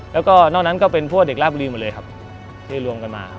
แล้วก็นอกนั้นก็เป็นพวกเด็กราชบุรีหมดเลยครับที่รวมกันมา